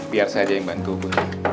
biar saja yang bantu